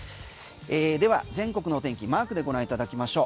では全国の天気マークでご覧いただきましょう。